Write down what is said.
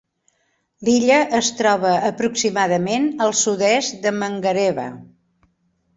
L'illa es troba aproximadament al sud-est de Mangareva.